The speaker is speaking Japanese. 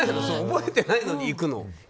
覚えてないのに行くの？